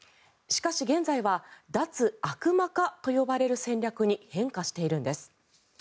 しかし、現在は脱悪魔化と呼ばれる戦略に変化しているんです。